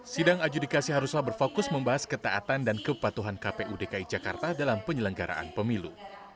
sidang adjudikasi haruslah berfokus membahas ketaatan dan kepatuhan kpu dki jakarta dalam penyelenggaraan pemilu